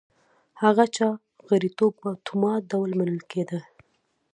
هغه چا غړیتوب په اتومات ډول منل کېده